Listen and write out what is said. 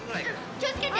気をつけて。